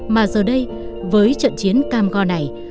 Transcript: mà giờ đây với trận chiến cam go này